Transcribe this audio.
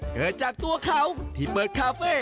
เกิดจากตัวเขาที่เปิดคาเฟ่